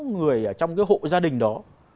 người ở trong cái hộ gia đình đó